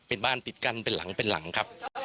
เป็นบ้านติดกันเป็นหลังเป็นหลังครับ